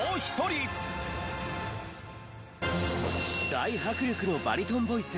大迫力のバリトンボイス。